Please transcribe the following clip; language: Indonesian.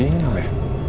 tidak ada sinyal